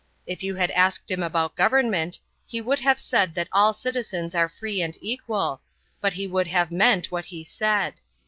If you had asked him about government, he would have said that all citizens were free and equal, but he would have meant what he said.